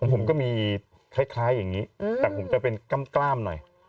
ผมก็มีคล้ายอย่างนี้แต่ผมจะเป็นกล้ามหน่อย